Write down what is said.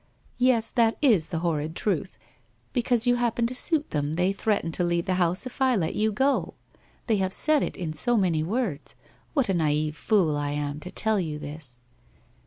' Yes, that is the horrid truth. Because you happen to suit them, they threaten to leave the house if I let you go. They have said it in so many words. What a naive fool I am to tell you this?